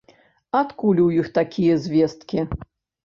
Адкуль у іх такія звесткі?